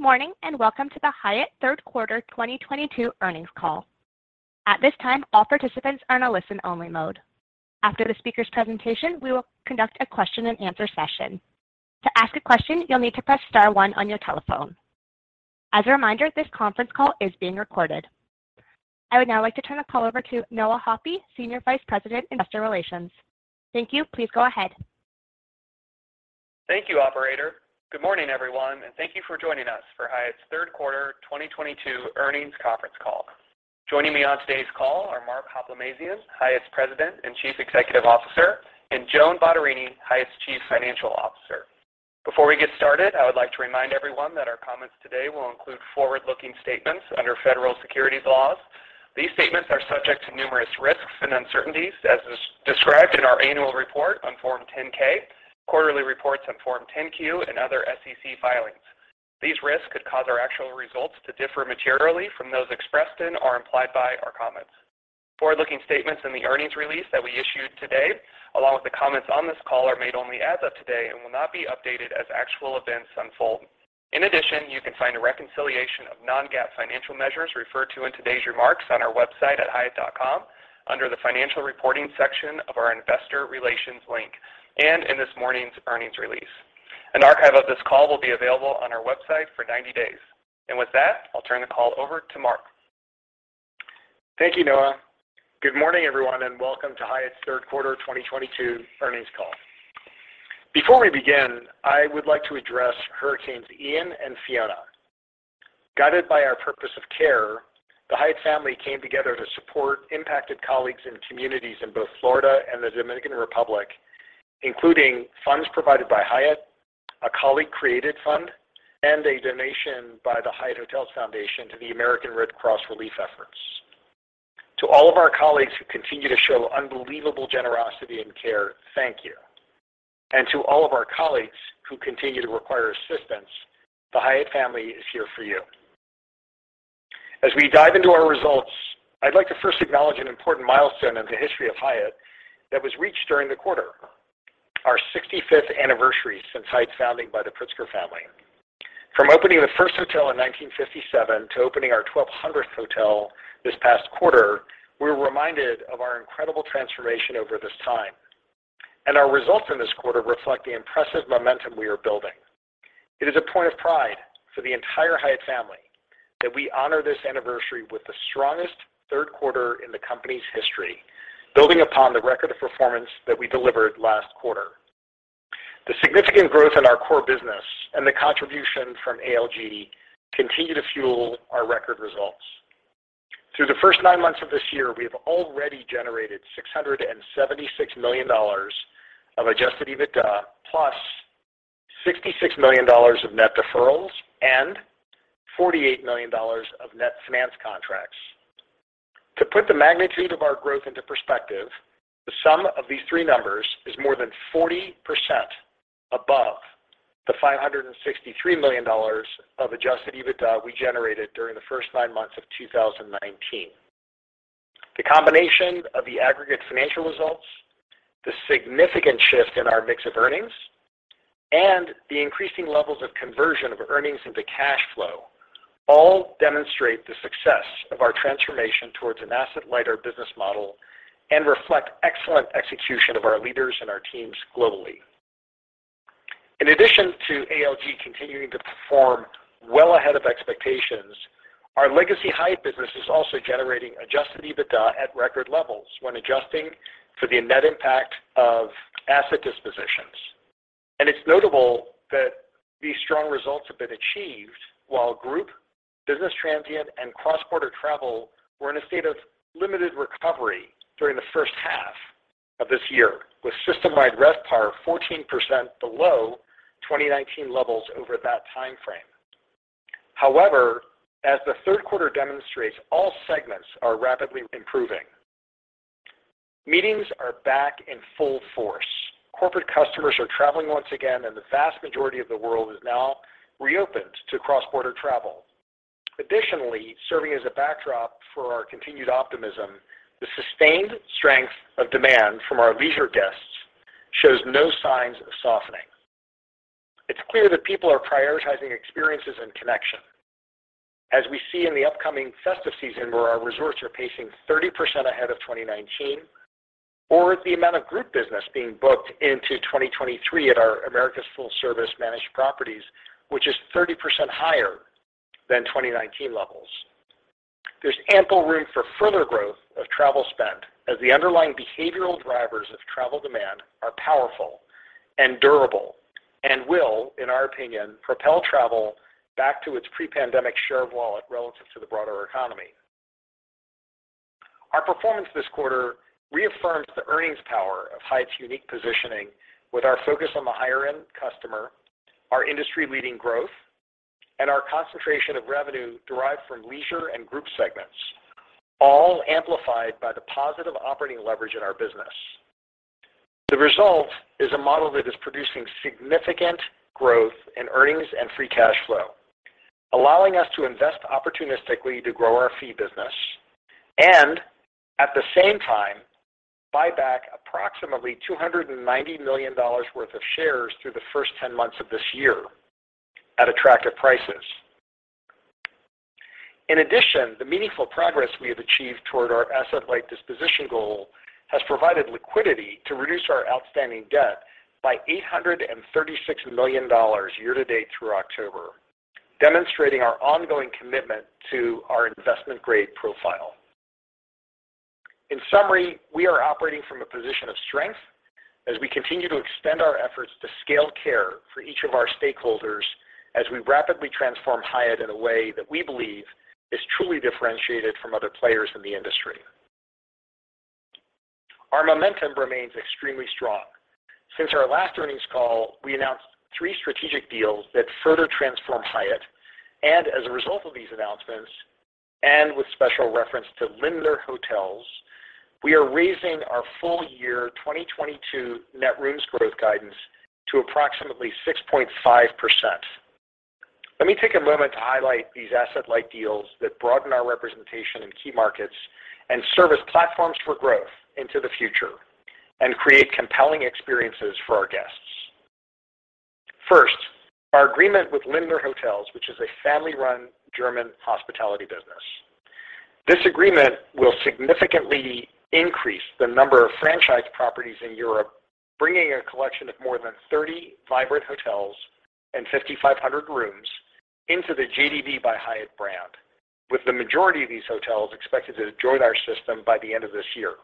Good morning, and welcome to the Hyatt third quarter 2022 earnings call. At this time, all participants are in a listen-only mode. After the speaker's presentation, we will conduct a question and answer session. To ask a question, you'll need to press star one on your telephone. As a reminder, this conference call is being recorded. I would now like to turn the call over to Noah Hoppe, Senior Vice President, Investor Relations. Thank you. Please go ahead. Thank you, operator. Good morning, everyone, and thank you for joining us for Hyatt's third quarter 2022 earnings conference call. Joining me on today's call are Mark Hoplamazian, Hyatt's President and Chief Executive Officer, and Joan Bottarini, Hyatt's Chief Financial Officer. Before we get started, I would like to remind everyone that our comments today will include forward-looking statements under federal securities laws. These statements are subject to numerous risks and uncertainties as is described in our annual report on Form 10-K, quarterly reports on Form 10-Q, and other SEC filings. These risks could cause our actual results to differ materially from those expressed in or implied by our comments. Forward-looking statements in the earnings release that we issued today, along with the comments on this call, are made only as of today and will not be updated as actual events unfold. In addition, you can find a reconciliation of non-GAAP financial measures referred to in today's remarks on our website at hyatt.com under the Financial Reporting section of our Investor Relations link and in this morning's earnings release. An archive of this call will be available on our website for 90 days. With that, I'll turn the call over to Mark. Thank you, Noah. Good morning, everyone, and welcome to Hyatt's third quarter 2022 earnings call. Before we begin, I would like to address Hurricane Ian and Hurricane Fiona. Guided by our purpose of care, the Hyatt family came together to support impacted colleagues and communities in both Florida and the Dominican Republic, including funds provided by Hyatt, a colleague-created fund, and a donation by the Hyatt Hotels Foundation to the American Red Cross relief efforts. To all of our colleagues who continue to show unbelievable generosity and care, thank you. To all of our colleagues who continue to require assistance, the Hyatt family is here for you. As we dive into our results, I'd like to first acknowledge an important milestone in the history of Hyatt that was reached during the quarter, our 65th Anniversary since Hyatt's founding by the Pritzker family. From opening the first hotel in 1957 to opening our 1,200th hotel this past quarter, we were reminded of our incredible transformation over this time, and our results in this quarter reflect the impressive momentum we are building. It is a point of pride for the entire Hyatt family that we honor this anniversary with the strongest third quarter in the company's history, building upon the record of performance that we delivered last quarter. The significant growth in our core business and the contribution from ALG continue to fuel our record results. Through the first nine months of this year, we have already generated $676 million of Adjusted EBITDA, +$66 million of net deferrals and $48 million of net financed contracts. To put the magnitude of our growth into perspective, the sum of these three numbers is more than 40% above the $563 million of Adjusted EBITDA we generated during the first nine months of 2019. The combination of the aggregate financial results, the significant shift in our mix of earnings, and the increasing levels of conversion of earnings into cash flow all demonstrate the success of our transformation towards an asset-lighter business model and reflect excellent execution of our leaders and our teams globally. In addition to ALG continuing to perform well ahead of expectations, our Legacy Hyatt business is also generating Adjusted EBITDA at record levels when adjusting for the net impact of asset dispositions. It's notable that these strong results have been achieved while group, business transient, and cross-border travel were in a state of limited recovery during the first half of this year, with system-wide RevPAR 14% below 2019 levels over that timeframe. However, as the third quarter demonstrates, all segments are rapidly improving. Meetings are back in full force. Corporate customers are traveling once again, and the vast majority of the world is now reopened to cross-border travel. Additionally, serving as a backdrop for our continued optimism, the sustained strength of demand from our leisure guests shows no signs of softening. It's clear that people are prioritizing experiences and connection. As we see in the upcoming festive season, where our resorts are pacing 30% ahead of 2019, or the amount of group business being booked into 2023 at our Americas full-service managed properties, which is 30% higher than 2019 levels. There's ample room for further growth of travel spend as the underlying behavioral drivers of travel demand are powerful and durable and will, in our opinion, propel travel back to its pre-pandemic share of wallet relative to the broader economy. Our performance this quarter reaffirms the earnings power of Hyatt's unique positioning with our focus on the higher-end customer, our industry-leading growth, and our concentration of revenue derived from leisure and group segments, all amplified by the positive operating leverage in our business. The result is a model that is producing significant growth in earnings and free cash flow, allowing us to invest opportunistically to grow our fee business and at the same time buy back approximately $290 million worth of shares through the first 10 months of this year at attractive prices. In addition, the meaningful progress we have achieved toward our asset-light disposition goal has provided liquidity to reduce our outstanding debt by $836 million year-to-date through October, demonstrating our ongoing commitment to our investment grade profile. In summary, we are operating from a position of strength as we continue to extend our efforts to scale care for each of our stakeholders as we rapidly transform Hyatt in a way that we believe is truly differentiated from other players in the industry. Our momentum remains extremely strong. Since our last earnings call, we announced three strategic deals that further transform Hyatt, and as a result of these announcements, and with special reference to Lindner Hotels, we are raising our full year 2022 net rooms growth guidance to approximately 6.5%. Let me take a moment to highlight these asset-light deals that broaden our representation in key markets and serve as platforms for growth into the future and create compelling experiences for our guests. First, our agreement with Lindner Hotels, which is a family-run German hospitality business. This agreement will significantly increase the number of franchise properties in Europe, bringing a collection of more than 30 vibrant hotels and 5,500 rooms into the JdV by Hyatt brand, with the majority of these hotels expected to join our system by the end of this year.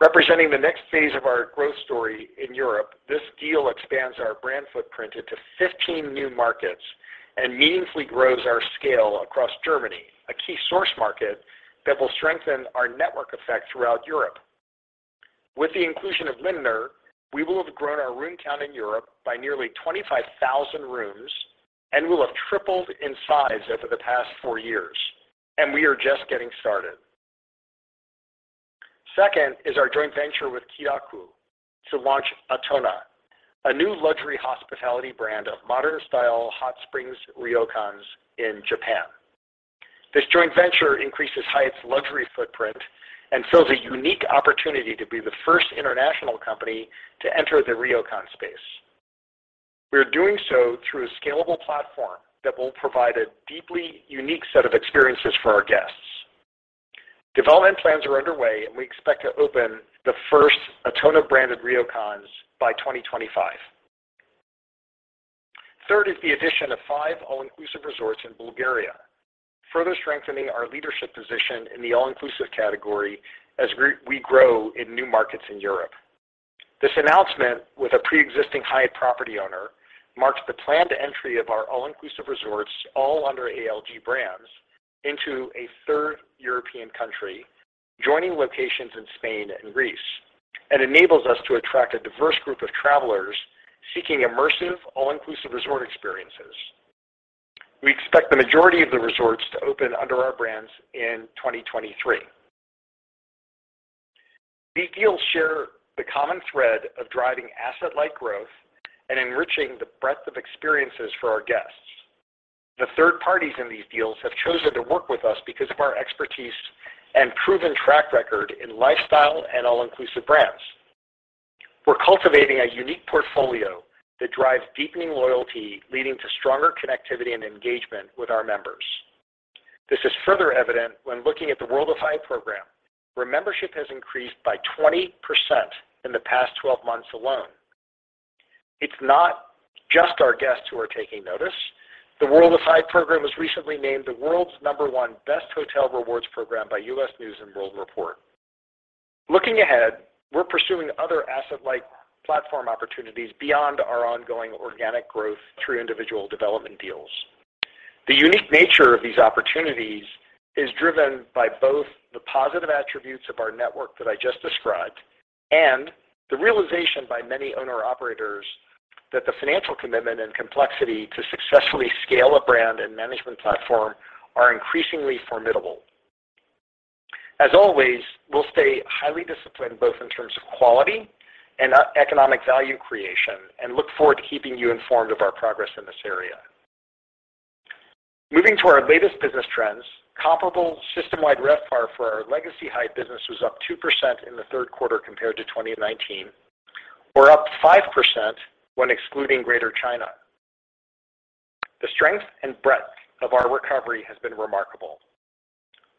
Representing the next phase of our growth story in Europe, this deal expands our brand footprint into 15 new markets and meaningfully grows our scale across Germany, a key source market that will strengthen our network effect throughout Europe. With the inclusion of Lindner, we will have grown our room count in Europe by nearly 25,000 rooms, and we'll have tripled in size over the past four years, and we are just getting started. Second is our joint venture with Kiraku to launch ATONA, a new luxury hospitality brand of modern luxury hot springs ryokans in Japan. This joint venture increases Hyatt's luxury footprint and fills a unique opportunity to be the first international company to enter the ryokan space. We are doing so through a scalable platform that will provide a deeply unique set of experiences for our guests. Development plans are underway, and we expect to open the first ATONA-branded ryokans by 2025. Third is the addition of five all-inclusive resorts in Bulgaria, further strengthening our leadership position in the all-inclusive category as we grow in new markets in Europe. This announcement with a preexisting Hyatt property owner marks the planned entry of our all-inclusive resorts, all under ALG brands, into a third European country, joining locations in Spain and Greece, and enables us to attract a diverse group of travelers seeking immersive all-inclusive resort experiences. We expect the majority of the resorts to open under our brands in 2023. These deals share the common thread of driving asset-like growth and enriching the breadth of experiences for our guests. The third parties in these deals have chosen to work with us because of our expertise and proven track record in lifestyle and all-inclusive brands. We're cultivating a unique portfolio that drives deepening loyalty, leading to stronger connectivity and engagement with our members. This is further evident when looking at the World of Hyatt program, where membership has increased by 20% in the past 12 months alone. It's not just our guests who are taking notice. The World of Hyatt program was recently named the world's number one best hotel rewards program by U.S. News & World Report. Looking ahead, we're pursuing other asset-like platform opportunities beyond our ongoing organic growth through individual development deals. The unique nature of these opportunities is driven by both the positive attributes of our network that I just described and the realization by many owner-operators that the financial commitment and complexity to successfully scale a brand and management platform are increasingly formidable. As always, we'll stay highly disciplined, both in terms of quality and economic value creation, and look forward to keeping you informed of our progress in this area. Moving to our latest business trends, comparable system-wide RevPAR for our Legacy Hyatt business was up 2% in the third quarter compared to 2019, or up 5% when excluding Greater China. The strength and breadth of our recovery has been remarkable.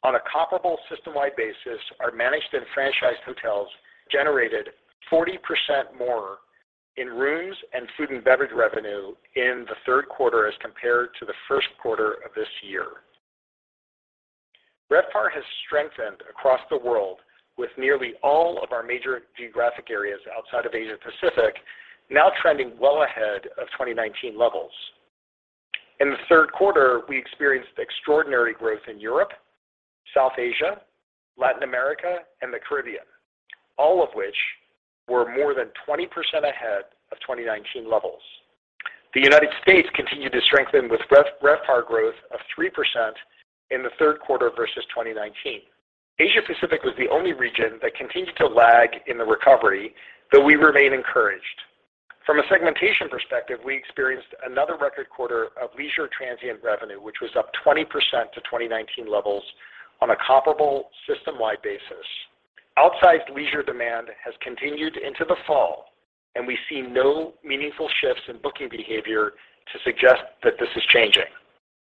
On a comparable system-wide basis, our managed and franchised hotels generated 40% more in rooms and food and beverage revenue in the third quarter as compared to the first quarter of this year. RevPAR has strengthened across the world with nearly all of our major geographic areas outside of Asia-Pacific now trending well ahead of 2019 levels. In the third quarter, we experienced extraordinary growth in Europe, South Asia, Latin America, and the Caribbean, all of which were more than 20% ahead of 2019 levels. The United States continued to strengthen with RevPAR growth of 3% in the third quarter versus 2019. Asia-Pacific was the only region that continued to lag in the recovery, though we remain encouraged. From a segmentation perspective, we experienced another record quarter of leisure transient revenue, which was up 20% to 2019 levels on a comparable system-wide basis. Outsized leisure demand has continued into the fall, and we see no meaningful shifts in booking behavior to suggest that this is changing.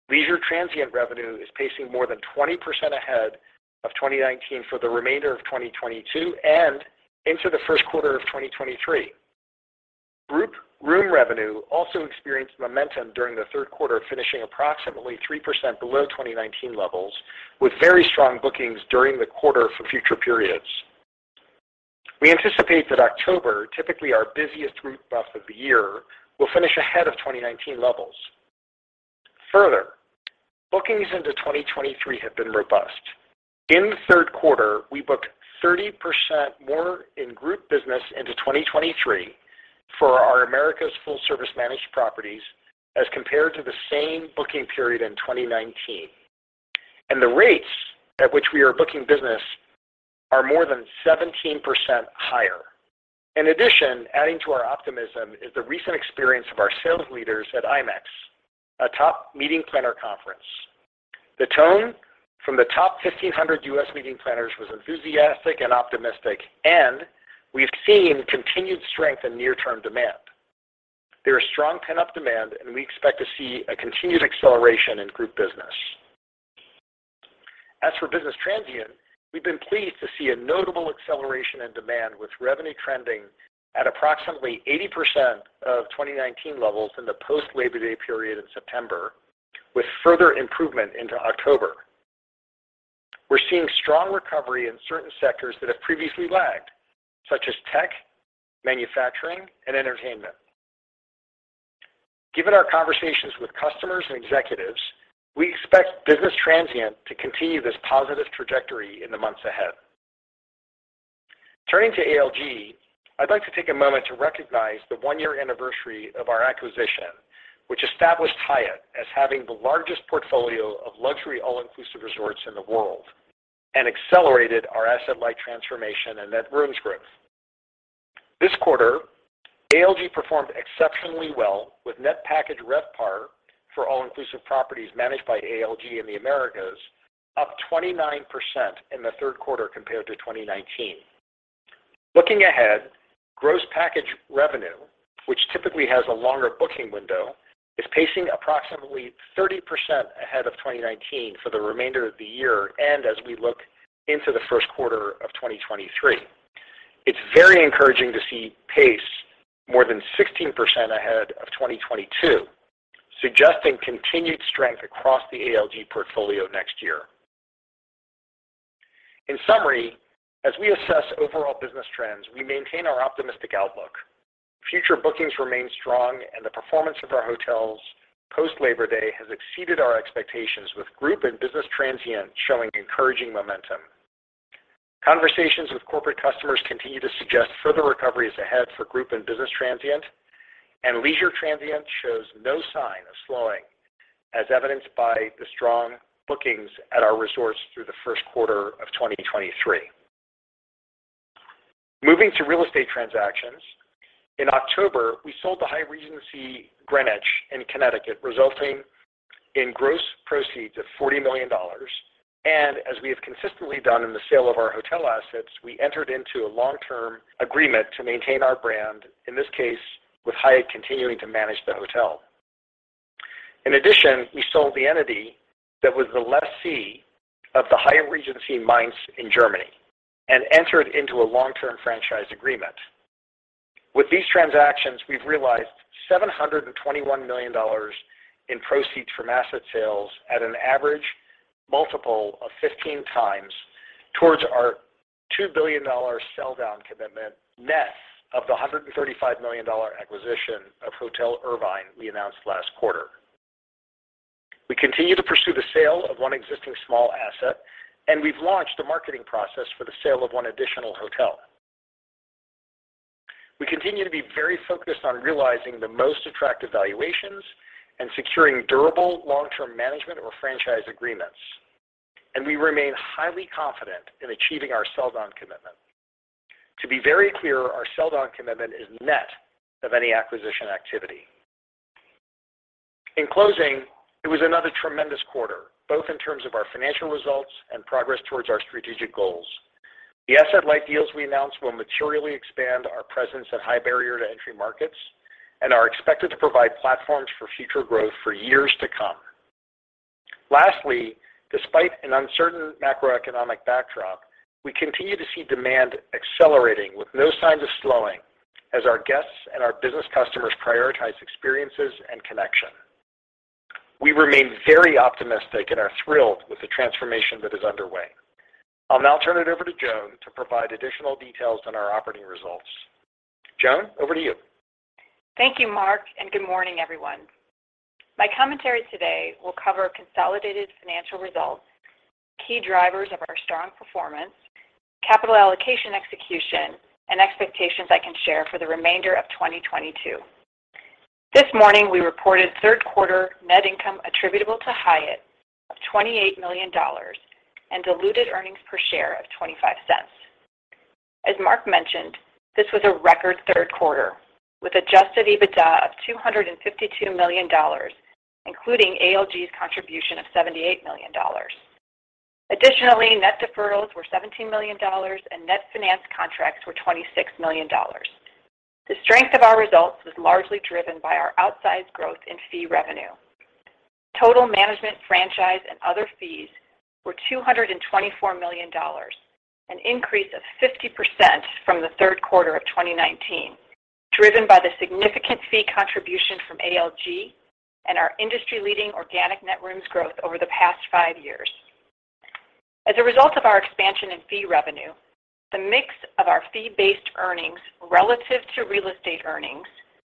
Leisure transient revenue is pacing more than 20% ahead of 2019 for the remainder of 2022 and into the first quarter of 2023. Group room revenue also experienced momentum during the third quarter, finishing approximately 3% below 2019 levels, with very strong bookings during the quarter for future periods. We anticipate that October, typically our busiest group month of the year, will finish ahead of 2019 levels. Further, bookings into 2023 have been robust. In the third quarter, we booked 30% more in group business into 2023 for our America's full-service managed properties as compared to the same booking period in 2019. The rates at which we are booking business are more than 17% higher. In addition, adding to our optimism is the recent experience of our sales leaders at IMEX, a top meeting planner conference. The tone from the top 1,500 U.S. meeting planners was enthusiastic and optimistic, and we've seen continued strength in near term demand. There is strong pent-up demand, and we expect to see a continued acceleration in group business. As for business transient, we've been pleased to see a notable acceleration in demand with revenue trending at approximately 80% of 2019 levels in the post Labor Day period in September, with further improvement into October. We're seeing strong recovery in certain sectors that have previously lagged, such as tech, manufacturing, and entertainment. Given our conversations with customers and executives, we expect business transient to continue this positive trajectory in the months ahead. Turning to ALG, I'd like to take a moment to recognize the one-year anniversary of our acquisition, which established Hyatt as having the largest portfolio of luxury all-inclusive resorts in the world and accelerated our asset-light transformation and net rooms growth. This quarter, ALG performed exceptionally well with Net Package RevPAR for all-inclusive properties managed by ALG in the Americas, up 29% in the third quarter compared to 2019. Looking ahead, gross package revenue, which typically has a longer booking window, is pacing approximately 30% ahead of 2019 for the remainder of the year and as we look into the first quarter of 2023. It's very encouraging to see pace more than 16% ahead of 2022, suggesting continued strength across the ALG portfolio next year. In summary, as we assess overall business trends, we maintain our optimistic outlook. Future bookings remain strong and the performance of our hotels post-Labor Day has exceeded our expectations with group and business transient showing encouraging momentum. Conversations with corporate customers continue to suggest further recovery is ahead for group and business transient, and leisure transient shows no sign of slowing, as evidenced by the strong bookings at our resorts through the first quarter of 2023. Moving to real estate transactions. In October, we sold the Hyatt Regency Greenwich in Connecticut, resulting in gross proceeds of $40 million. As we have consistently done in the sale of our hotel assets, we entered into a long-term agreement to maintain our brand, in this case, with Hyatt continuing to manage the hotel. In addition, we sold the entity that was the lessee of the Hyatt Regency Mainz in Germany and entered into a long-term franchise agreement. With these transactions, we've realized $721 million in proceeds from asset sales at an average multiple of 15x towards our $2 billion sell down commitment, net of the $135 million acquisition of Hotel Irvine we announced last quarter. We continue to pursue the sale of one existing small asset, and we've launched a marketing process for the sale of one additional hotel. We continue to be very focused on realizing the most attractive valuations and securing durable long-term management or franchise agreements, and we remain highly confident in achieving our sell down commitment. To be very clear, our sell down commitment is net of any acquisition activity. In closing, it was another tremendous quarter, both in terms of our financial results and progress towards our strategic goals. The asset-light deals we announced will materially expand our presence in high barrier to entry markets and are expected to provide platforms for future growth for years to come. Lastly, despite an uncertain macroeconomic backdrop, we continue to see demand accelerating with no signs of slowing as our guests and our business customers prioritize experiences and connection. We remain very optimistic and are thrilled with the transformation that is underway. I'll now turn it over to Joan to provide additional details on our operating results. Joan, over to you. Thank you, Mark, and good morning, everyone. My commentary today will cover consolidated financial results, key drivers of our strong performance, capital allocation execution, and expectations I can share for the remainder of 2022. This morning, we reported third quarter net income attributable to Hyatt of $28 million and diluted earnings per share of $0.25. As Mark mentioned, this was a record third quarter with Adjusted EBITDA of $252 million, including ALG's contribution of $78 million. Additionally, Net Deferrals were $17 million and Net Financed Contracts were $26 million. The strength of our results was largely driven by our outsized growth in fee revenue. Total management franchise and other fees were $224 million, an increase of 50% from the third quarter of 2019, driven by the significant fee contribution from ALG and our industry-leading organic net rooms growth over the past five years. As a result of our expansion in fee revenue, the mix of our fee-based earnings relative to real estate earnings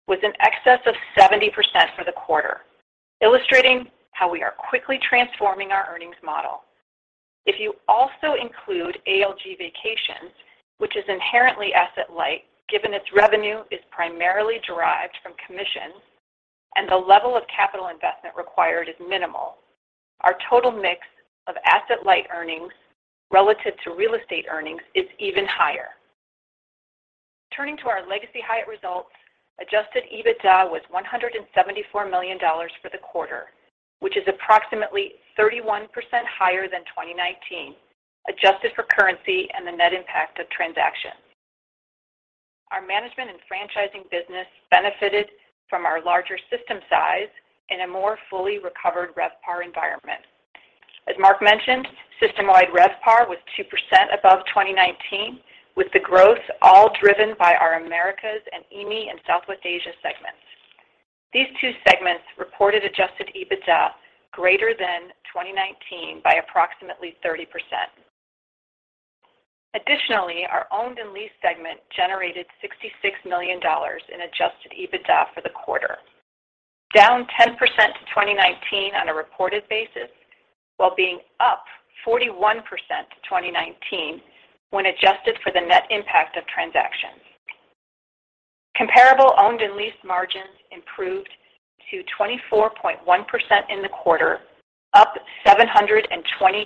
was in excess of 70% for the quarter, illustrating how we are quickly transforming our earnings model. If you also include ALG Vacations, which is inherently asset light, given its revenue is primarily derived from commissions and the level of capital investment required is minimal, our total mix of asset-light earnings relative to real estate earnings is even higher. Turning to our Legacy Hyatt results, Adjusted EBITDA was $174 million for the quarter, which is approximately 31% higher than 2019, adjusted for currency and the net impact of transactions. Our management and franchising business benefited from our larger system size in a more fully recovered RevPAR environment. As Mark mentioned, system-wide RevPAR was 2% above 2019, with the growth all driven by our Americas and EAME and Southwest Asia segments. These two segments reported Adjusted EBITDA greater than 2019 by approximately 30%. Additionally, our owned and leased segment generated $66 million in Adjusted EBITDA for the quarter, down 10% to 2019 on a reported basis, while being up 41% to 2019 when adjusted for the net impact of transactions. Comparable owned and leased margins improved to 24.1% in the quarter, up 720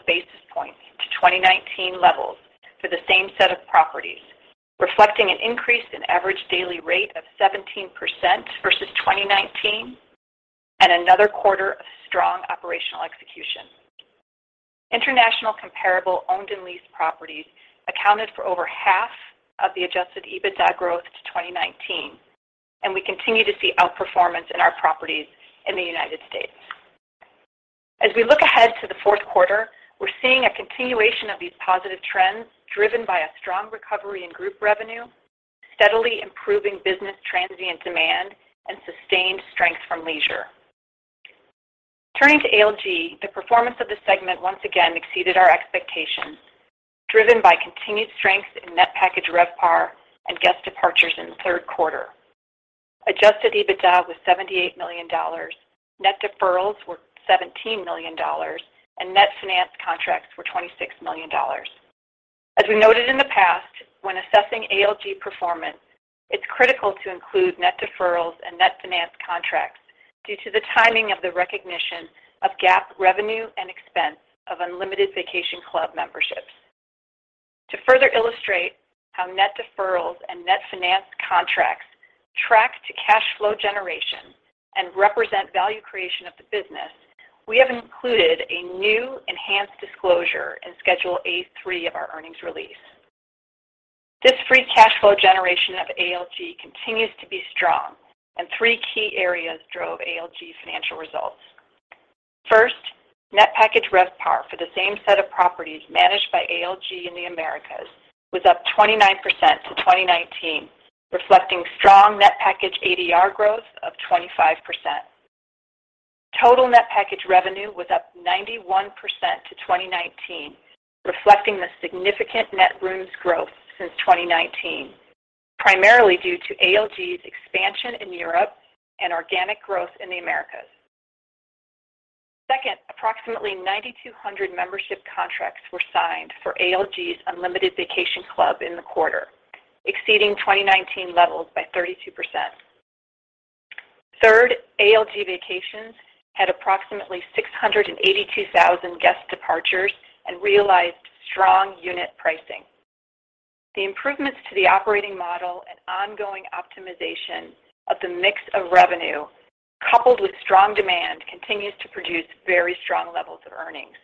basis points to 2019 levels for the same set of properties, reflecting an increase in average daily rate of 17% versus 2019 and another quarter of strong operational execution. International comparable owned and leased properties accounted for over half of the Adjusted EBITDA growth to 2019, and we continue to see outperformance in our properties in the United States. As we look ahead to the fourth quarter, we're seeing a continuation of these positive trends driven by a strong recovery in group revenue, steadily improving business transient demand, and sustained strength from leisure. Turning to ALG, the performance of the segment once again exceeded our expectations, driven by continued strength in Net Package RevPAR and guest departures in the third quarter. Adjusted EBITDA was $78 million. Net deferrals were $17 million, and net financed contracts were $26 million. As we noted in the past, when assessing ALG performance, it's critical to include net deferrals and net financed contracts due to the timing of the recognition of GAAP revenue and expense of Unlimited Vacation Club memberships. To further illustrate how net deferrals and net financed contracts track to cash flow generation and represent value creation of the business, we have included a new enhanced disclosure in Schedule A-3 of our earnings release. This free cash flow generation of ALG continues to be strong and three key areas drove ALG's financial results. First, net package RevPAR for the same set of properties managed by ALG in the Americas was up 29% to 2019, reflecting strong net package ADR growth of 25%. Total net package revenue was up 91% to 2019, reflecting the significant net rooms growth since 2019, primarily due to ALG's expansion in Europe and organic growth in the Americas. Second, approximately 9,200 membership contracts were signed for ALG's Unlimited Vacation Club in the quarter, exceeding 2019 levels by 32%. Third, ALG Vacations had approximately 682,000 guest departures and realized strong unit pricing. The improvements to the operating model and ongoing optimization of the mix of revenue, coupled with strong demand, continues to produce very strong levels of earnings.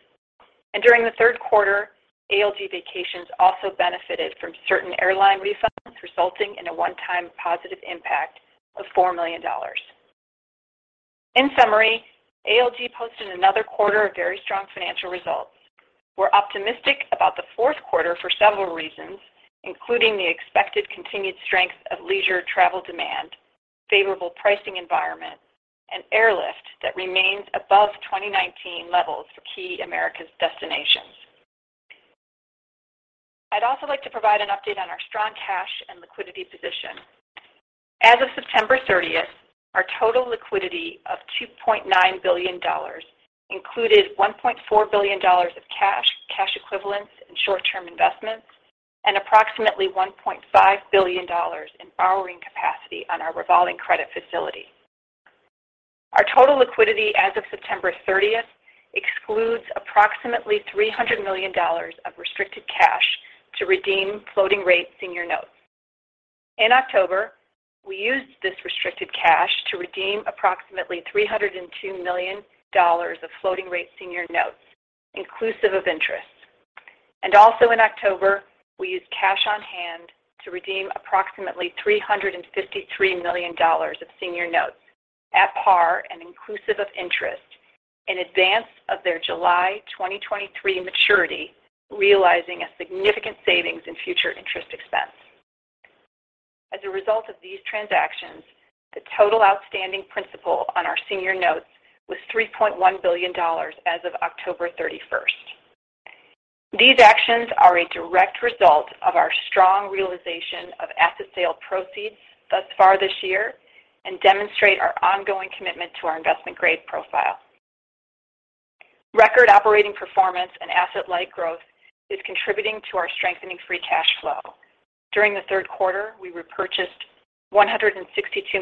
During the third quarter, ALG Vacations also benefited from certain airline refunds, resulting in a one-time positive impact of $4 million. In summary, ALG posted another quarter of very strong financial results. We're optimistic about the fourth quarter for several reasons, including the expected continued strength of leisure travel demand, favorable pricing environment, and airlift that remains above 2019 levels for key Americas destinations. I'd also like to provide an update on our strong cash and liquidity position. As of September 30th, our total liquidity of $2.9 billion included $1.4 billion of cash equivalents, and short-term investments. Approximately $1.5 billion in borrowing capacity on our revolving credit facility. Our total liquidity as of September 30th excludes approximately $300 million of restricted cash to redeem floating rate senior notes. In October, we used this restricted cash to redeem approximately $302 million of floating rate senior notes, inclusive of interest. Also in October, we used cash on hand to redeem approximately $353 million of senior notes at par and inclusive of interest in advance of their July 2023 maturity, realizing a significant savings in future interest expense. As a result of these transactions, the total outstanding principal on our senior notes was $3.1 billion as of October 31st. These actions are a direct result of our strong realization of asset sale proceeds thus far this year and demonstrate our ongoing commitment to our investment grade profile. Record operating performance and asset-light growth is contributing to our strengthening free cash flow. During the third quarter, we repurchased $162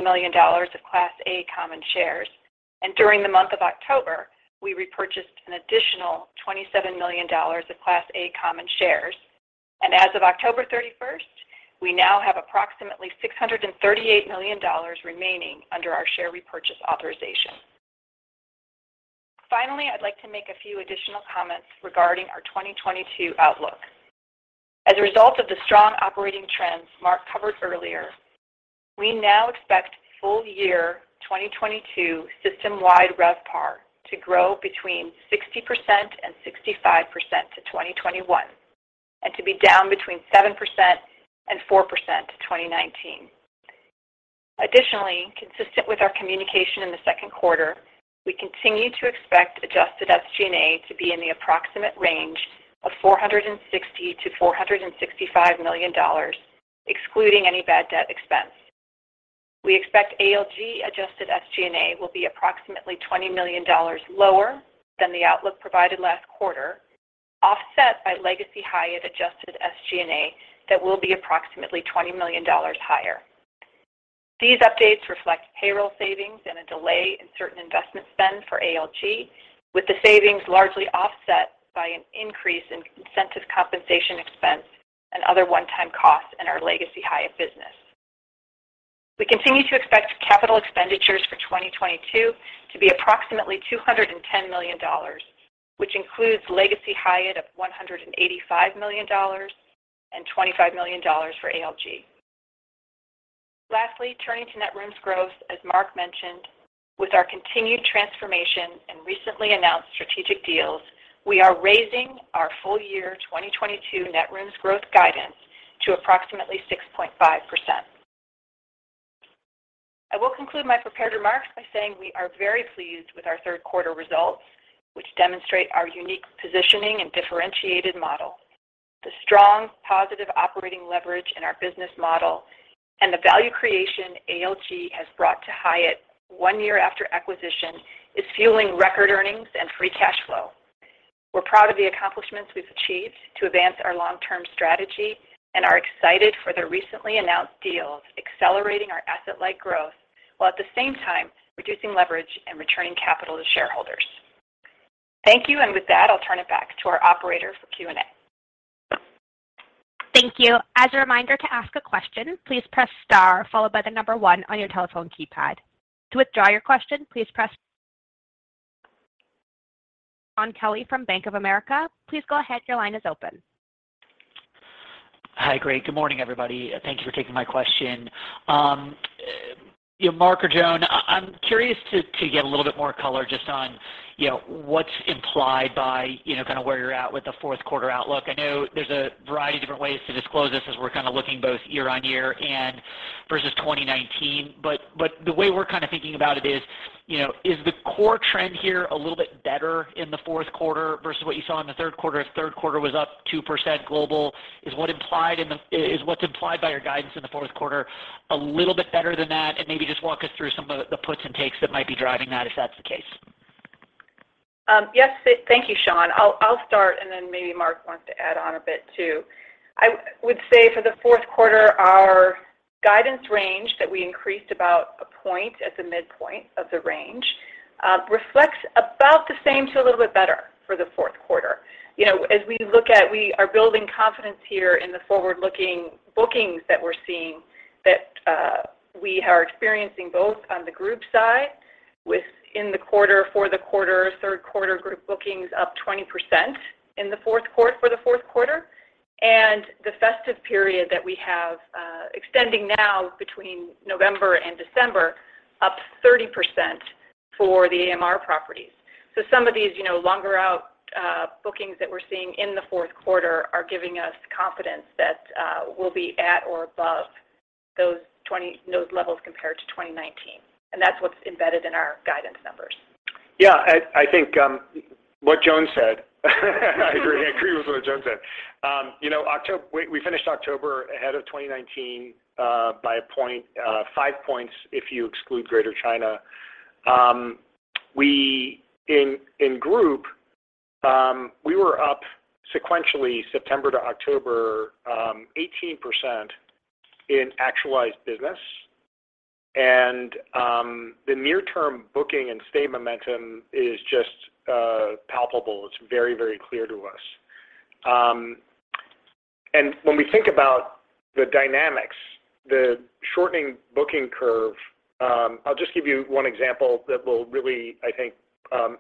million of Class A common shares, and during the month of October, we repurchased an additional $27 million of Class A common shares. As of October 31st, we now have approximately $638 million remaining under our share repurchase authorization. Finally, I'd like to make a few additional comments regarding our 2022 outlook. As a result of the strong operating trends Mark covered earlier, we now expect full-year 2022 system-wide RevPAR to grow 60%-65% to 2021, and to be down 7%-4% to 2019. Additionally, consistent with our communication in the second quarter, we continue to expect adjusted SG&A to be in the approximate range of $460 million-$465 million, excluding any bad debt expense. We expect ALG adjusted SG&A will be approximately $20 million lower than the outlook provided last quarter, offset by Legacy Hyatt adjusted SG&A that will be approximately $20 million higher. These updates reflect payroll savings and a delay in certain investment spend for ALG, with the savings largely offset by an increase in incentive compensation expense and other one-time costs in our Legacy Hyatt business. We continue to expect capital expenditures for 2022 to be approximately $210 million, which includes Legacy Hyatt of $185 million and $25 million for ALG. Lastly, turning to net rooms growth, as Mark mentioned, with our continued transformation and recently announced strategic deals, we are raising our full year 2022 net rooms growth guidance to approximately 6.5%. I will conclude my prepared remarks by saying we are very pleased with our third quarter results, which demonstrate our unique positioning and differentiated model. The strong positive operating leverage in our business model and the value creation ALG has brought to Hyatt one year after acquisition is fueling record earnings and free cash flow. We're proud of the accomplishments we've achieved to advance our long-term strategy and are excited for the recently announced deals accelerating our asset-light growth while at the same time reducing leverage and returning capital to shareholders. Thank you. With that, I'll turn it back to our operator for Q&A. Thank you. As a reminder to ask a question, please press star followed by the number one on your telephone keypad. To withdraw your question, please press. Shaun Kelley from Bank of America. Please go ahead. Your line is open. Hi. Great. Good morning, everybody. Thank you for taking my question. You know, Mark or Joan, I'm curious to get a little bit more color just on, you know, what's implied by, you know, kind of where you're at with the fourth quarter outlook. I know there's a variety of different ways to disclose this as we're kind of looking both year-on-year and versus 2019. The way we're kind of thinking about it is, you know, is the core trend here a little bit better in the fourth quarter versus what you saw in the third quarter? If third quarter was up 2% global, is what's implied by your guidance in the fourth quarter a little bit better than that? Maybe just walk us through some of the puts and takes that might be driving that, if that's the case. Thank you, Shaun. I'll start, and then maybe Mark wants to add on a bit, too. I would say for the fourth quarter, our guidance range that we increased about a point at the midpoint of the range, reflects about the same to a little bit better for the fourth quarter. You know, as we look at, we are building confidence here in the forward-looking bookings that we're seeing that we are experiencing both on the group side within the quarter for the quarter, third quarter group bookings up 20% for the fourth quarter, and the festive period that we have, extending now between November and December up 30% for the AMR properties. Some of these, you know, longer out bookings that we're seeing in the fourth quarter are giving us confidence that we'll be at or above those levels compared to 2019. That's what's embedded in our guidance numbers. Yeah. I think what Joan said I agree with what Joan said. You know, we finished October ahead of 2019 by 1.5 points if you exclude Greater China. We in group we were up sequentially September to October 18% in actualized business. The near-term booking and stay momentum is just palpable. It's very, very clear to us. When we think about the dynamics, the shortening booking curve, I'll just give you one example that will really, I think,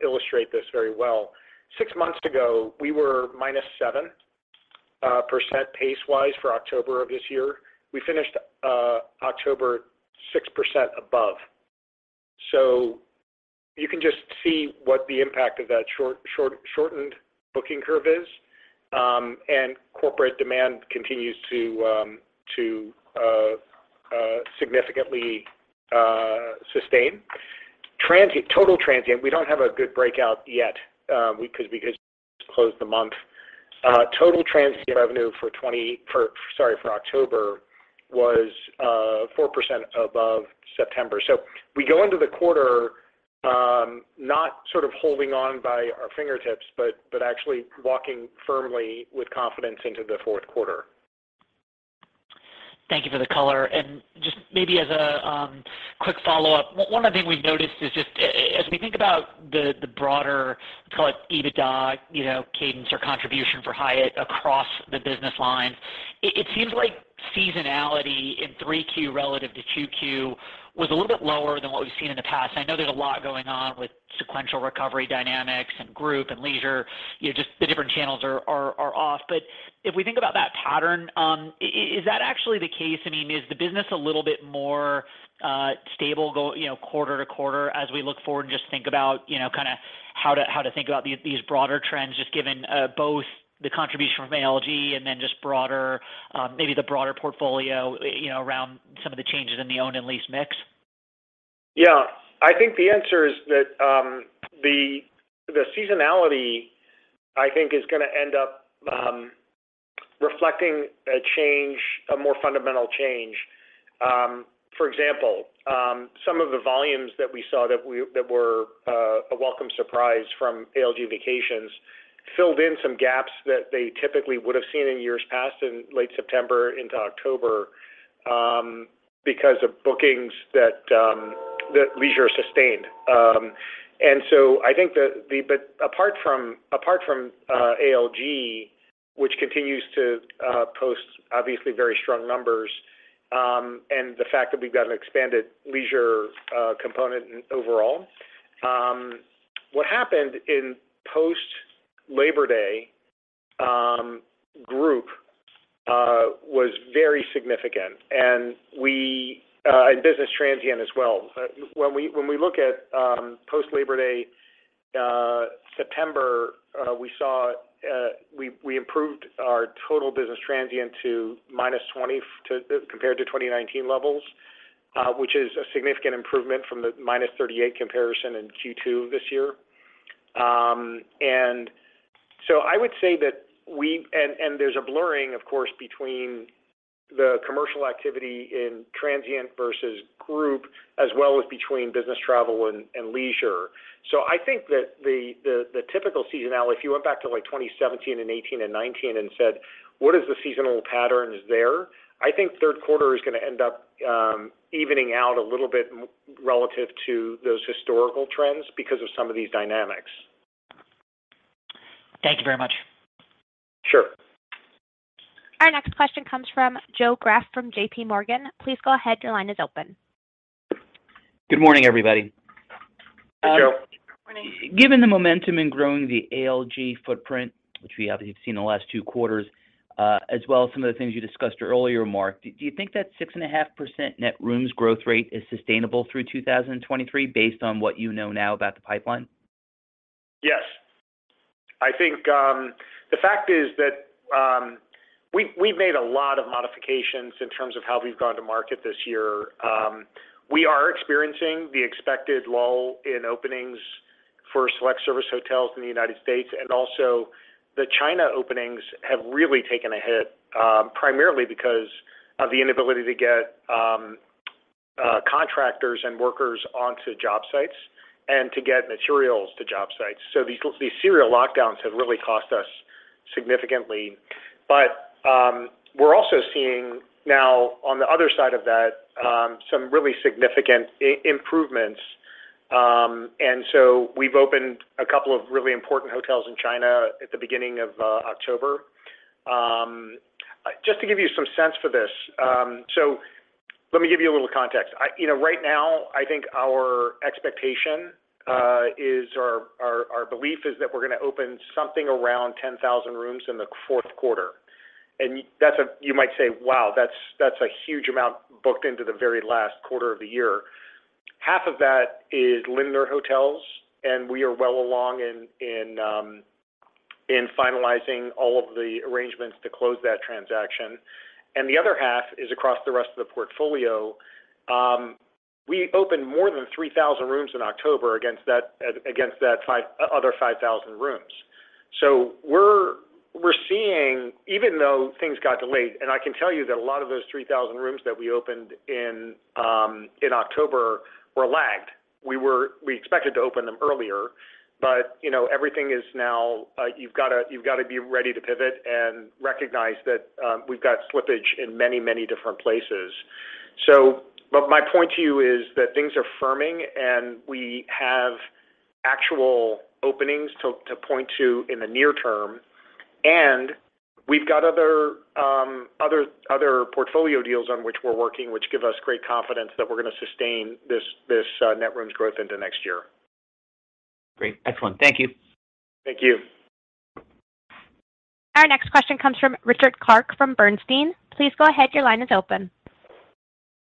illustrate this very well. Six months ago, we were -7% pace-wise for October of this year. We finished October 6% above. You can just see what the impact of that shortened booking curve is. Corporate demand continues to significantly sustain. Total transient, we don't have a good breakout yet, because we just closed the month. Total transient revenue for October was 4% above September. We go into the quarter, not sort of holding on by our fingertips, but actually walking firmly with confidence into the fourth quarter. Thank you for the color. Just maybe as a quick follow-up. One of the things we've noticed is just as we think about the broader, let's call it, EBITDA, you know, cadence or contribution for Hyatt across the business lines, it seems like seasonality in 3Q relative to 2Q was a little bit lower than what we've seen in the past. I know there's a lot going on with sequential recovery dynamics and group and leisure. You know, just the different channels are off. If we think about that pattern, is that actually the case? I mean, is the business a little bit more stable though, you know, quarter to quarter as we look forward and just think about, you know, kinda how to think about these broader trends, just given both the contribution from ALG and then just broader, maybe the broader portfolio, you know, around some of the changes in the owned and leased mix? Yeah. I think the answer is that the seasonality, I think is going to end up reflecting a change, a more fundamental change. For example, some of the volumes that we saw that were a welcome surprise from ALG Vacations filled in some gaps that they typically would have seen in years past in late September into October, because of bookings that leisure sustained. Apart from ALG, which continues to post obviously very strong numbers, and the fact that we've got an expanded leisure component overall. What happened in post-Labor Day group was very significant. Business transient as well. When we look at post-Labor Day September, we improved our total business transient to -20% compared to 2019 levels, which is a significant improvement from the -38% comparison in Q2 this year. I would say that there's a blurring, of course, between the commercial activity in transient versus group as well as between business travel and leisure. I think that the typical seasonality, if you went back to like 2017 and 2018 and 2019 and said, "What is the seasonal patterns there?" Third quarter is going to end up evening out a little bit more relative to those historical trends because of some of these dynamics. Thank you very much. Sure. Our next question comes from Joe Greff from JPMorgan. Please go ahead. Your line is open. Good morning, everybody. Hey, Joe. Morning. Given the momentum in growing the ALG footprint, which we obviously have seen in the last two quarters, as well as some of the things you discussed earlier, Mark, do you think that 6.5% net rooms growth rate is sustainable through 2023 based on what you know now about the pipeline? Yes. I think the fact is that we've made a lot of modifications in terms of how we've gone to market this year. We are experiencing the expected lull in openings for select service hotels in the United States. Also the China openings have really taken a hit, primarily because of the inability to get contractors and workers onto job sites and to get materials to job sites. These serial lockdowns have really cost us significantly. We're also seeing now on the other side of that some really significant improvements. We've opened a couple of really important hotels in China at the beginning of October. Just to give you some sense for this, let me give you a little context. You know, right now, I think our expectation is, or our belief is that we're going to open something around 10,000 rooms in the fourth quarter. That's a huge amount booked into the very last quarter of the year. You might say, "Wow, that's a huge amount booked into the very last quarter of the year." Half of that is Lindner Hotels, and we are well along in finalizing all of the arrangements to close that transaction. The other half is across the rest of the portfolio. We opened more than 3,000 rooms in October against that other 5,000 rooms. We're seeing even though things got delayed, and I can tell you that a lot of those 3,000 rooms that we opened in October were lagged. We expected to open them earlier, but, you know, everything is now. You've gotta be ready to pivot and recognize that we've got slippage in many different places. But my point to you is that things are firming, and we have actual openings to point to in the near term. We've got other portfolio deals on which we're working, which give us great confidence that we're gonna sustain this net rooms growth into next year. Great. Excellent. Thank you. Thank you. Our next question comes from Richard Clarke from Bernstein. Please go ahead. Your line is open.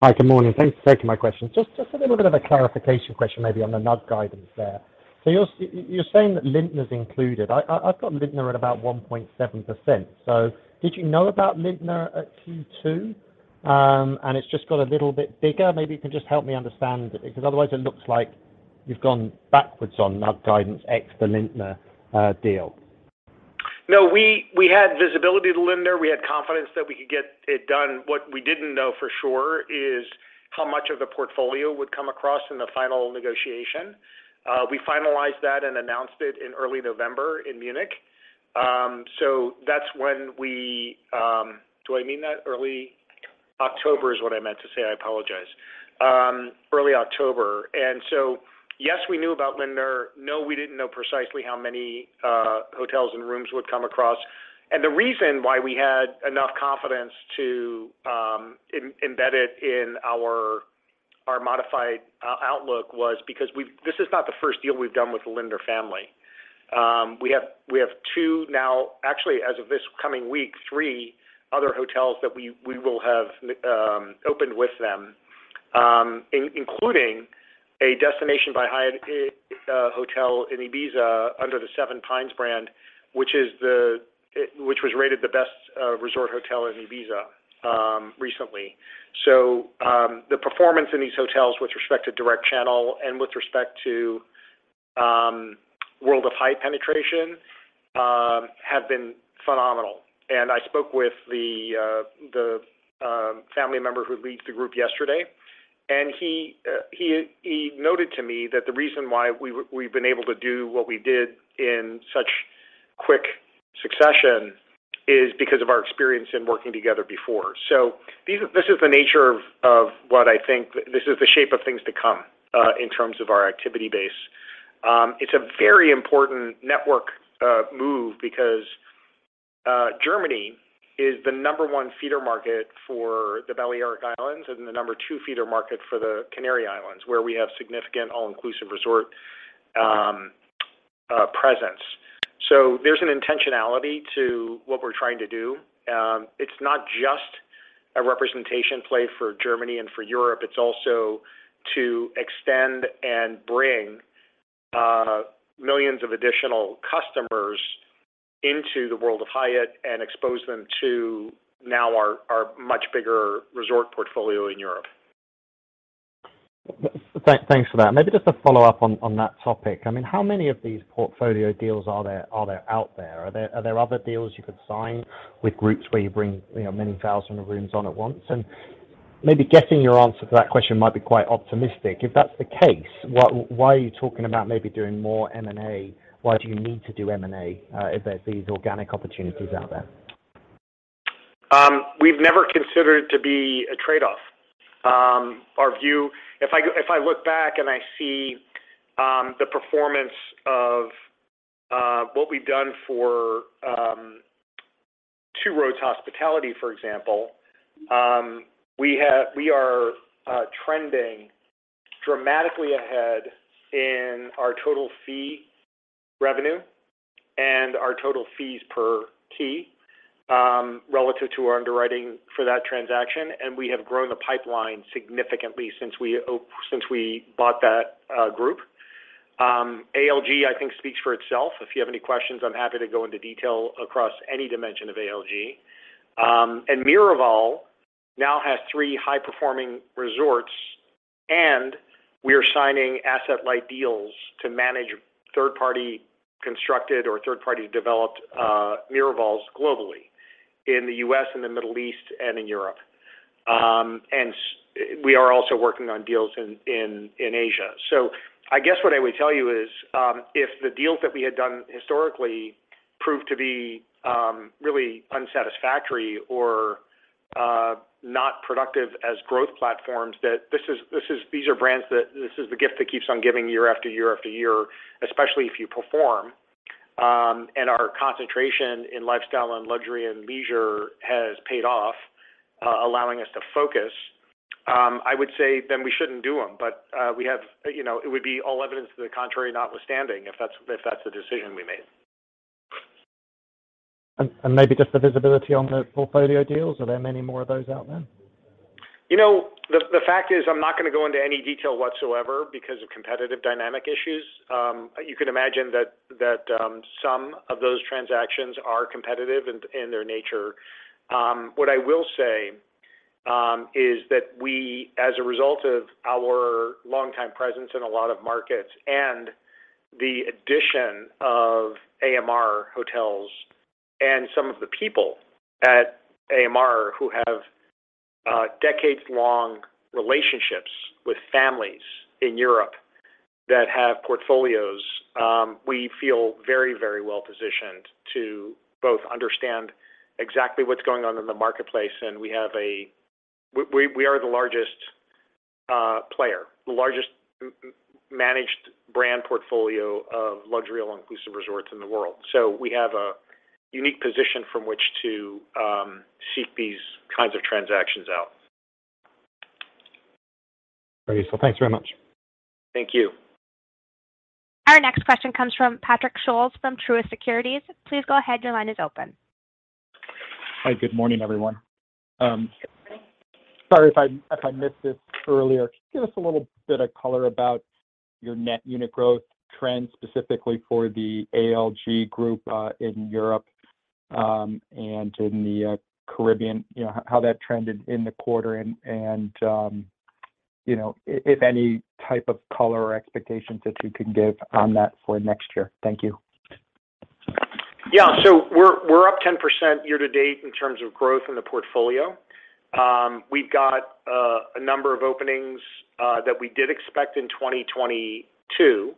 Hi. Good morning. Thanks for taking my question. Just a little bit of a clarification question maybe on the NUG guidance there. So you're saying that Lindner is included. I've got Lindner at about 1.7%. So did you know about Lindner at Q2, and it's just got a little bit bigger? Maybe you can just help me understand because otherwise it looks like you've gone backwards on NUG guidance ex the Lindner deal. No, we had visibility to Lindner. We had confidence that we could get it done. What we didn't know for sure is how much of the portfolio would come across in the final negotiation. We finalized that and announced it in early November in Munich. Do I mean that? Early October is what I meant to say. I apologize. Early October. Yes, we knew about Lindner. No, we didn't know precisely how many hotels and rooms would come across. The reason why we had enough confidence to embed it in our modified outlook was because this is not the first deal we've done with the Lindner family. We have two now, actually, as of this coming week, three other hotels that we will have opened with them, including a Destination by Hyatt hotel in Ibiza under the 7Pines brand, which was rated the best resort hotel in Ibiza recently. The performance in these hotels with respect to direct channel and with respect to World of Hyatt penetration have been phenomenal. I spoke with the family member who leads the group yesterday, and he noted to me that the reason why we've been able to do what we did in such quick succession is because of our experience in working together before. This is the nature of what I think. This is the shape of things to come in terms of our activity base. It's a very important network move because Germany is the number one feeder market for the Balearic Islands and the number two feeder market for the Canary Islands, where we have significant all-inclusive resort presence. There's an intentionality to what we're trying to do. It's not just a representation play for Germany and for Europe. It's also to extend and bring millions of additional customers into the World of Hyatt and expose them to now our much bigger resort portfolio in Europe. Thanks for that. Maybe just a follow-up on that topic. I mean, how many of these portfolio deals are there out there? Are there other deals you could sign with groups where you bring, you know, many thousand of rooms on at once? Maybe guessing your answer to that question might be quite optimistic. If that's the case, why are you talking about maybe doing more M&A? Why do you need to do M&A if there's these organic opportunities out there? We've never considered it to be a trade-off. Our view—if I look back and I see the performance of what we've done for Two Roads Hospitality, for example, we are trending dramatically ahead in our total fee revenue and our total fees per key relative to our underwriting for that transaction, and we have grown the pipeline significantly since we bought that group. ALG, I think, speaks for itself. If you have any questions, I'm happy to go into detail across any dimension of ALG. Miraval now has three high-performing resorts, and we are signing asset-light deals to manage third-party constructed or third-party developed Miravals globally in the U.S., in the Middle East, and in Europe. We are also working on deals in Asia. I guess what I would tell you is, if the deals that we had done historically proved to be really unsatisfactory or not productive as growth platforms, these are brands that this is the gift that keeps on giving year after year after year, especially if you perform, and our concentration in lifestyle and luxury and leisure has paid off, allowing us to focus, I would say we shouldn't do them. We have, you know, it would be all evidence to the contrary notwithstanding if that's the decision we made. Maybe just the visibility on the portfolio deals. Are there many more of those out there? You know, the fact is I'm not gonna go into any detail whatsoever because of competitive dynamic issues. You can imagine that some of those transactions are competitive in their nature. What I will say is that we, as a result of our longtime presence in a lot of markets and the addition of AMR Hotels and some of the people at AMR who have decades-long relationships with families in Europe that have portfolios, we feel very, very well positioned to both understand exactly what's going on in the marketplace, and we are the largest player, the largest managed brand portfolio of luxury all-inclusive resorts in the world. We have a unique position from which to seek these kinds of transactions out. Great. Thanks very much. Thank you. Our next question comes from Patrick Scholes from Truist Securities. Please go ahead. Your line is open. Hi. Good morning, everyone. Sorry if I missed this earlier. Can you give us a little bit of color about your net unit growth trends, specifically for the ALG group, in Europe, and in the Caribbean, you know, how that trended in the quarter and, you know, if any type of color or expectations that you can give on that for next year. Thank you. We're up 10% year to date in terms of growth in the portfolio. We've got a number of openings that we did expect in 2022.